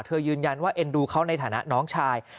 ยืนยันว่าเอ็นดูเขาในฐานะน้องชาย